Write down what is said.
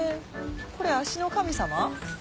これ足の神様？